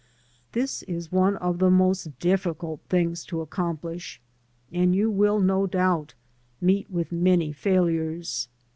This is one of the most difficult things to accomplish, and you will, no doubt, meet with many failures.